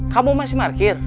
kamu masih markir